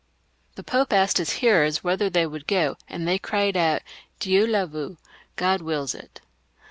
The Pope asked his hearers whether they would go, and they cried out, " Dieu le veut ;" God wills it.